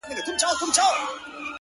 خو دې څوک دښځي پر مخ تيزاب وشيندي